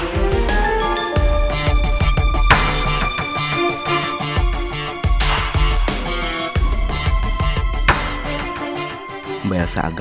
tapi bukan itu mbak elsa siapa lihat